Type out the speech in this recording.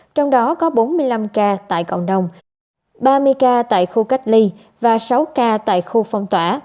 trong đó có bốn mươi năm ca tại cộng đồng ba mươi ca tại khu cách ly và sáu ca tại khu phong tỏa